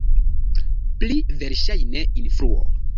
Pli verŝajne influo.